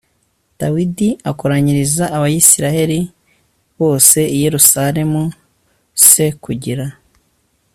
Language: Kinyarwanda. Dawidi akoranyiriza Abisirayeli bose i Yerusalemu c kugira